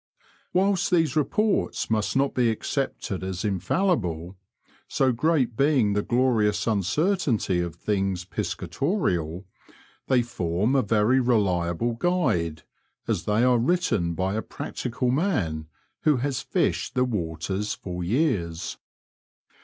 Whilst these reports must not be accepted as in&llible, so great being the glorious uncertainty of things piscatorial, they form a very reliable guide, as they are written by a practical man, who has fished the waters for years.